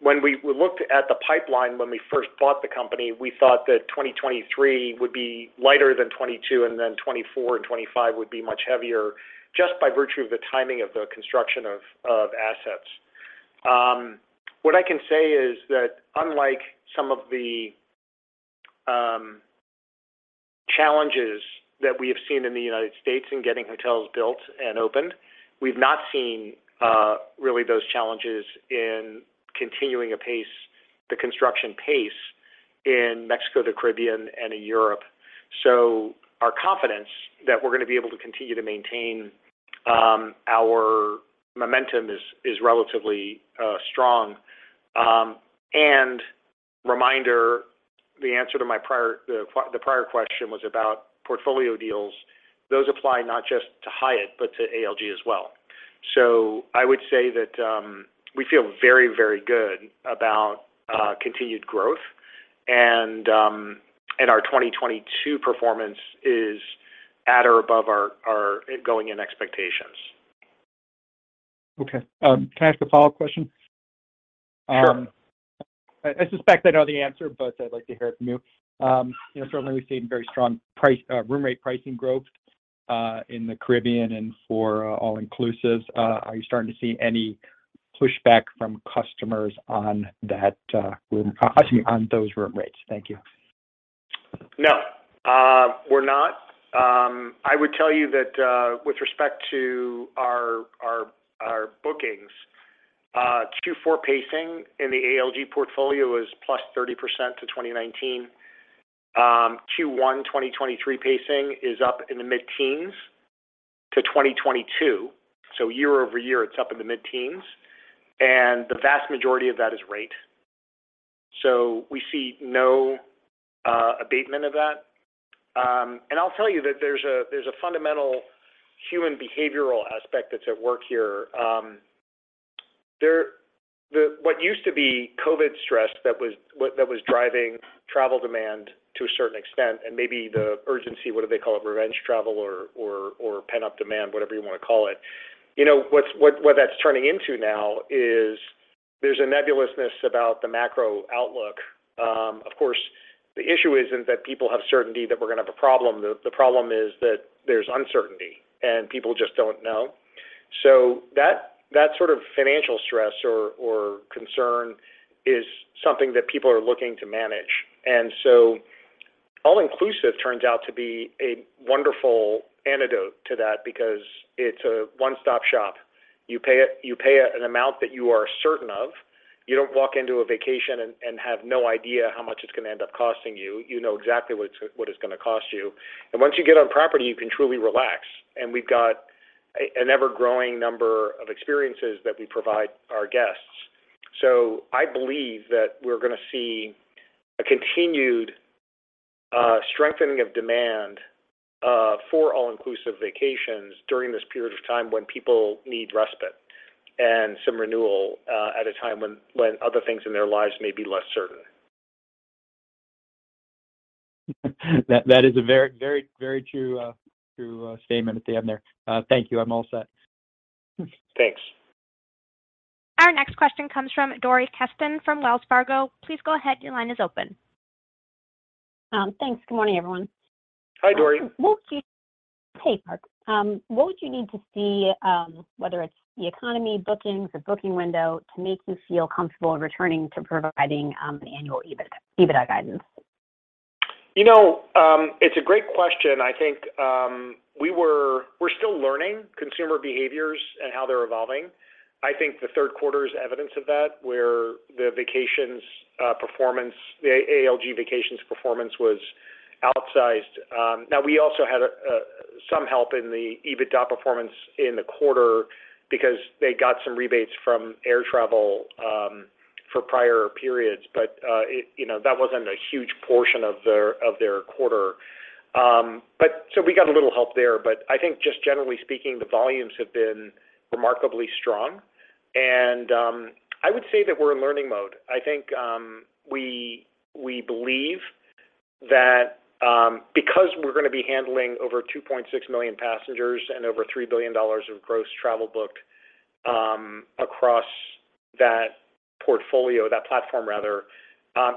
When we looked at the pipeline when we first bought the company, we thought that 2023 would be lighter than 2022, and then 2024 and 2025 would be much heavier, just by virtue of the timing of the construction of assets. What I can say is that unlike some of the challenges that we have seen in the United States in getting hotels built and opened, we've not seen really those challenges in continuing a pace, the construction pace in Mexico, the Caribbean, and in Europe. Our confidence that we're going to be able to continue to maintain our momentum is relatively strong. Reminder, the answer to my prior question was about portfolio deals. Those apply not just to Hyatt, but to ALG as well. I would say that, we feel very, very good about continued growth, and our 2022 performance is at or above our going-in expectations. Okay. Can I ask a follow-up question? Sure. I suspect I know the answer, but I'd like to hear it from you. You know, certainly we've seen very strong room rate pricing growth in the Caribbean and for all-inclusive. Are you starting to see any pushback from customers on that, excuse me, on those room rates? Thank you. No. We're not. I would tell you that with respect to our bookings, 2024 pacing in the ALG portfolio is +30% to 2019. Q1 2023 pacing is up in the mid-teens to 2022. Year-over-year, it's up in the mid-teens, and the vast majority of that is rate. We see no abatement of that. I'll tell you that there's a fundamental human behavioral aspect that's at work here. What used to be COVID stress that was driving travel demand to a certain extent, and maybe the urgency, what do they call it, revenge travel or pent-up demand, whatever you want to call it, you know, what that's turning into now is there's a nebulousness about the macro outlook. Of course, the issue isn't that people have certainty that we're going to have a problem. The problem is that there's uncertainty, and people just don't know. That sort of financial stress or concern is something that people are looking to manage. All-inclusive turns out to be a wonderful antidote to that because it's a one-stop shop. You pay an amount that you are certain of. You don't walk into a vacation and have no idea how much it's going to end up costing you. You know exactly what it's going to cost you. Once you get on property, you can truly relax. We've got an ever-growing number of experiences that we provide our guests. I believe that we're going to see a continued strengthening of demand for all-inclusive vacations during this period of time when people need respite and some renewal at a time when other things in their lives may be less certain. That is a very true statement at the end there. Thank you. I'm all set. Thanks. Our next question comes from Dori Kesten from Wells Fargo. Please go ahead. Your line is open. Thanks. Good morning, everyone. Hi, Dori. Hey, Mark. What would you need to see, whether it's the economy, bookings, the booking window, to make you feel comfortable returning to providing annual EBITDA guidance? You know, it's a great question. I think we're still learning consumer behaviors and how they're evolving. I think the third quarter is evidence of that, where the vacations performance, the ALG Vacations performance was outsized. Now we also had some help in the EBITDA performance in the quarter because they got some rebates from air travel for prior periods, but you know, that wasn't a huge portion of their quarter. But so we got a little help there, but I think just generally speaking, the volumes have been remarkably strong. I would say that we're in learning mode. I think we believe that because we're going to be handling over 2.6 million passengers and over $3 billion of gross travel booked across that portfolio, that platform rather,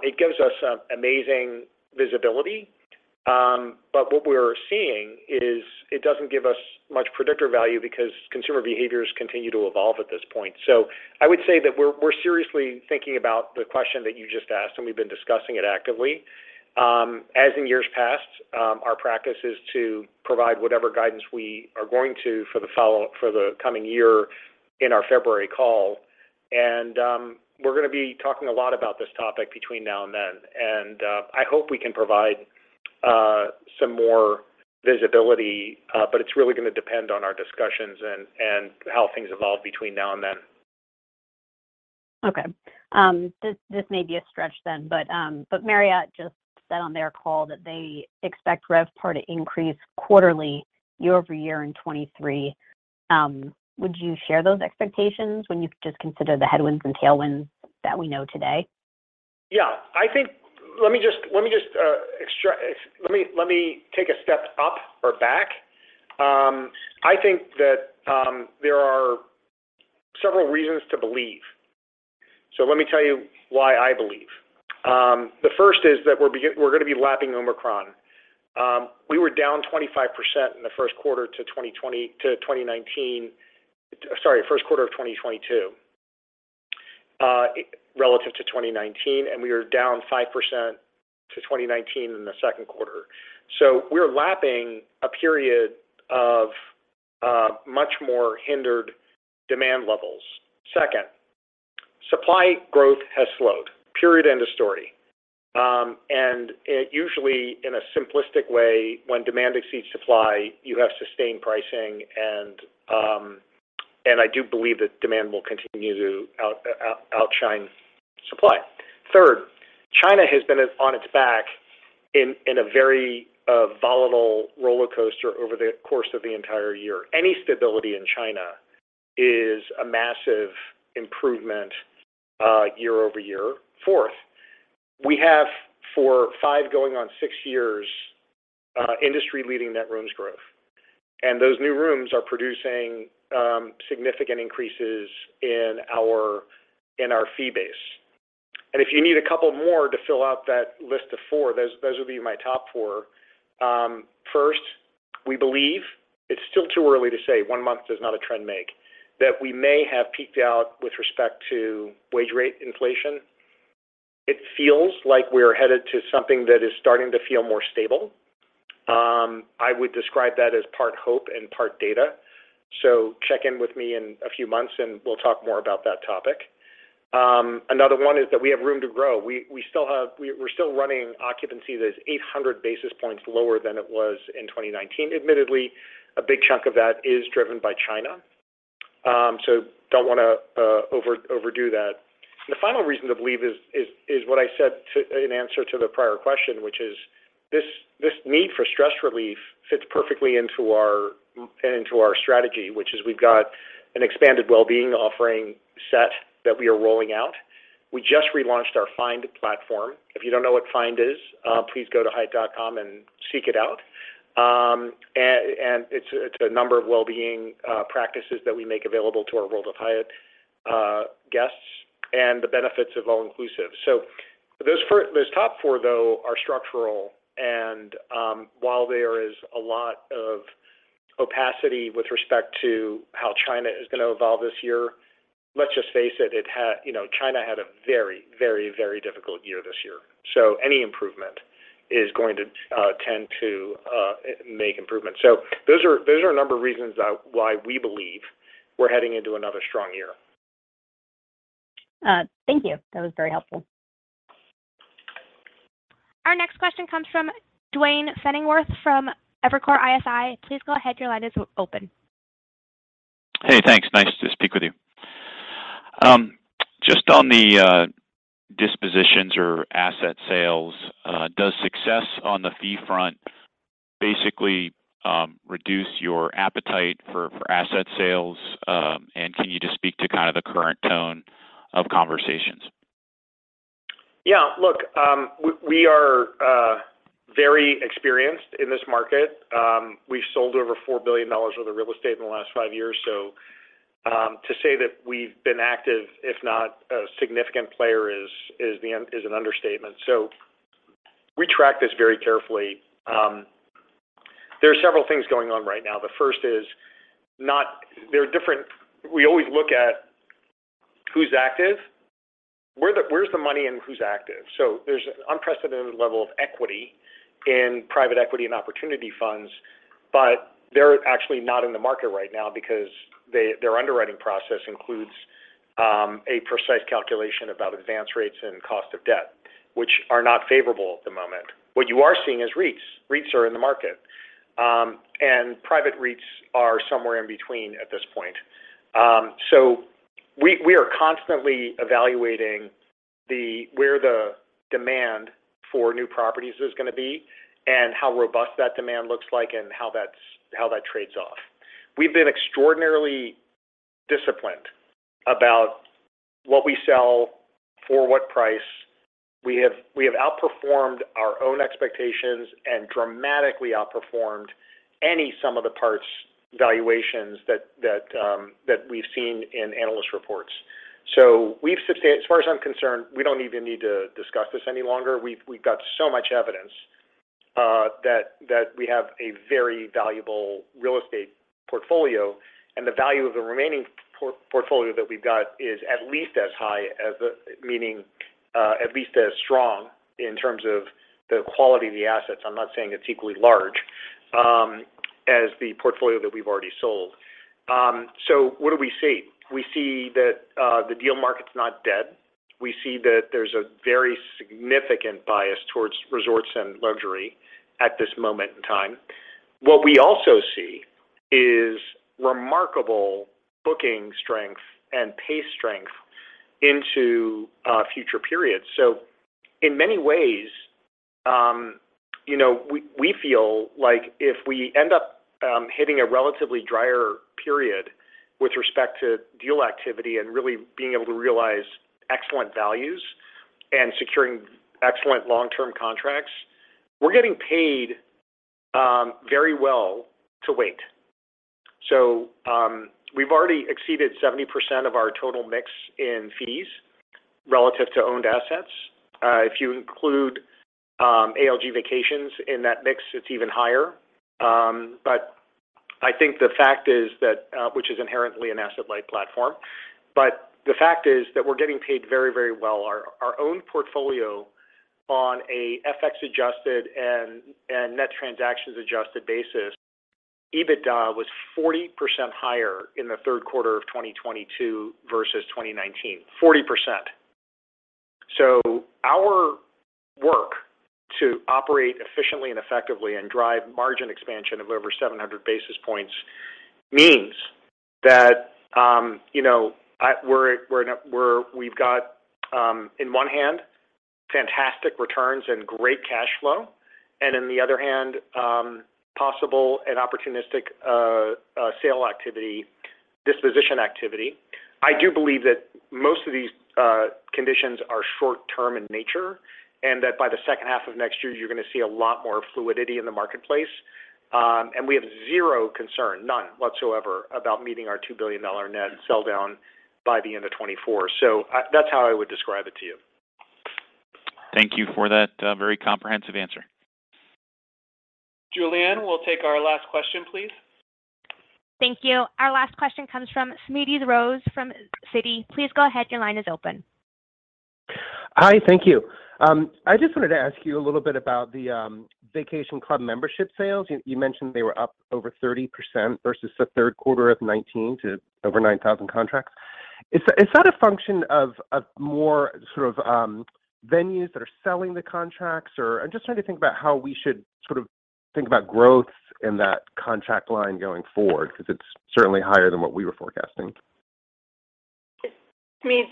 it gives us amazing visibility. But what we're seeing is it doesn't give us much predictor value because consumer behaviors continue to evolve at this point. I would say that we're seriously thinking about the question that you just asked, and we've been discussing it actively. As in years past, our practice is to provide whatever guidance we are going to for the coming year in our February call. We're going to be talking a lot about this topic between now and then.I hope we can provide some more visibility, but it's really going to depend on our discussions and how things evolve between now and then. Okay. This may be a stretch then, but Marriott just said on their call that they expect RevPAR to increase quarterly year over year in 2023. Would you share those expectations when you just consider the headwinds and tailwinds that we know today? Yeah. Let me take a step up or back. I think that there are several reasons to believe. Let me tell you why I believe. The first is that we're going to be lapping Omicron. We were down 25% in the first quarter to 2019. Sorry, first quarter of 2022 relative to 2019, and we are down 5% to 2019 in the second quarter. We're lapping a period of much more hindered demand levels. Second, supply growth has slowed. Period, end of story. Usually in a simplistic way, when demand exceeds supply, you have sustained pricing, and I do believe that demand will continue to outshine supply. Third, China has been on its back in a very volatile roller coaster over the course of the entire year. Any stability in China is a massive improvement year over year. Fourth, we have for five going on six years industry-leading net rooms growth. Those new rooms are producing significant increases in our fee base. If you need a couple more to fill out that list of four, those will be my top four. First, we believe it's still too early to say one month does not a trend make, that we may have peaked out with respect to wage rate inflation. It feels like we are headed to something that is starting to feel more stable. I would describe that as part hope and part data. Check in with me in a few months and we'll talk more about that topic. Another one is that we have room to grow. We're still running occupancy that's 800 basis points lower than it was in 2019. Admittedly, a big chunk of that is driven by China. Don't wanna overdo that. The final reason to believe is what I said in answer to the prior question, which is this need for stress relief fits perfectly into our strategy, which is we've got an expanded well-being offering set that we are rolling out. We just relaunched our Find platform. If you don't know what Find is, please go to hyatt.com and seek it out. It's a number of well-being practices that we make available to our World of Hyatt guests and the benefits of all inclusive. Those top four, though, are structural. While there is a lot of opacity with respect to how China is going to evolve this year, let's just face it, you know, China had a very difficult year this year. Any improvement is going to tend to make improvements. Those are a number of reasons why we believe we're heading into another strong year. Thank you. That was very helpful. Our next question comes from Duane Pfennigwerth from Evercore ISI. Please go ahead. Your line is open. Hey, thanks. Nice to speak with you. Just on the dispositions or asset sales, does success on the fee front basically reduce your appetite for asset sales? Can you just speak to kind of the current tone of conversations? Yeah. Look, we are very experienced in this market. We've sold over $4 billion worth of real estate in the last five years. To say that we've been active, if not a significant player, is an understatement. We track this very carefully. There are several things going on right now. The first is. There are different. We always look at who's active, where's the money and who's active. There's an unprecedented level of equity in private equity and opportunity funds, but they're actually not in the market right now because their underwriting process includes a precise calculation about advance rates and cost of debt, which are not favorable at the moment. What you are seeing is REITs. REITs are in the market. Private REITs are somewhere in between at this point. We are constantly evaluating where the demand for new properties is gonna be and how robust that demand looks like and how that trades off. We've been extraordinarily disciplined about what we sell for what price. We have outperformed our own expectations and dramatically outperformed any sum of the parts valuations that we've seen in analyst reports. As far as I'm concerned, we don't even need to discuss this any longer. We've got so much evidence that we have a very valuable real estate portfolio, and the value of the remaining portfolio that we've got is at least as high as the, meaning at least as strong in terms of the quality of the assets. I'm not saying it's equally large as the portfolio that we've already sold. What do we see? We see that the deal market's not dead. We see that there's a very significant bias towards resorts and luxury at this moment in time. What we also see is remarkable booking strength and pay strength into future periods. In many ways, you know, we feel like if we end up hitting a relatively drier period with respect to deal activity and really being able to realize excellent values and securing excellent long-term contracts, we're getting paid very well to wait. We've already exceeded 70% of our total mix in fees relative to owned assets. If you include ALG Vacations in that mix, it's even higher. I think the fact is that which is inherently an asset-light platform. The fact is that we're getting paid very, very well. Our own portfolio on a FX adjusted and net transactions adjusted basis, EBITDA was 40% higher in the third quarter of 2022 versus 2019. 40%. Our work to operate efficiently and effectively and drive margin expansion of over 700 basis points means that we've got, in one hand, fantastic returns and great cash flow, and in the other hand, possible and opportunistic sale activity, disposition activity. I do believe that most of these conditions are short term in nature, and that by the second half of next year, you're gonna see a lot more fluidity in the marketplace. We have zero concern, none whatsoever, about meeting our $2 billion net sell down by the end of 2024.That's how I would describe it to you. Thank you for that, very comprehensive answer. Julianne, we'll take our last question, please. Thank you. Our last question comes from Smedes Rose from Citi. Please go ahead. Your line is open. Hi, thank you. I just wanted to ask you a little bit about the vacation club membership sales. You mentioned they were up over 30% versus the third quarter of 2019 to over 9,000 contracts. Is that a function of more sort of venues that are selling the contracts, or. I'm just trying to think about how we should sort of think about growth in that contract line going forward, 'cause it's certainly higher than what we were forecasting. Smedes,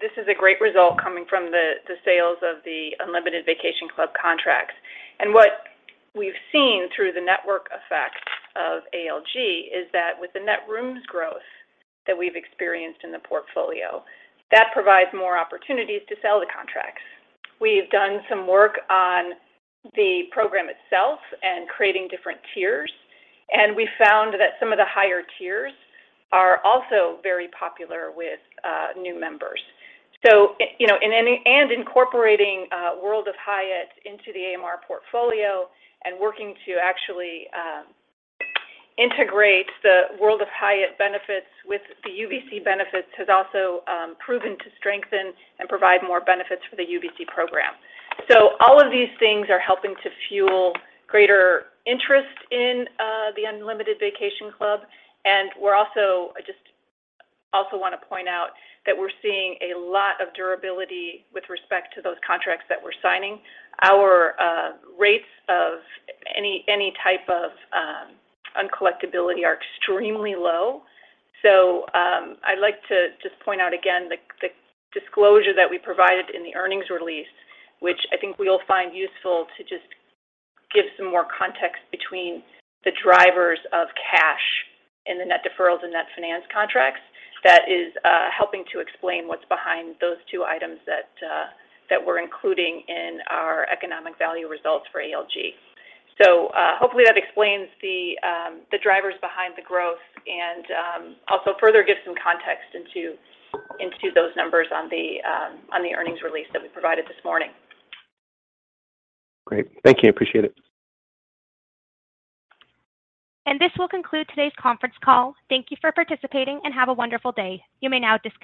this is a great result coming from the sales of the Unlimited Vacation Club contracts. What we've seen through the network effect of ALG is that with the net rooms growth that we've experienced in the portfolio, that provides more opportunities to sell the contracts. We've done some work on the program itself and creating different tiers, and we found that some of the higher tiers are also very popular with new members. You know, incorporating World of Hyatt into the AMR portfolio and working to actually integrate the World of Hyatt benefits with the UVC benefits has also proven to strengthen and provide more benefits for the UVC program. All of these things are helping to fuel greater interest in the Unlimited Vacation Club. I just also wanna point out that we're seeing a lot of durability with respect to those contracts that we're signing. Our rates of any type of uncollectibility are extremely low. I'd like to just point out again the disclosure that we provided in the earnings release, which I think we'll find useful to just give some more context between the drivers of cash in the Net Deferrals and Net Financed Contracts that we're including in our economic value results for ALG. Hopefully that explains the drivers behind the growth and also further gives some context into those numbers on the earnings release that we provided this morning. Great. Thank you. Appreciate it. This will conclude today's conference call. Thank you for participating and have a wonderful day. You may now disconnect.